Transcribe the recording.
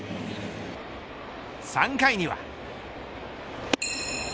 ３回には。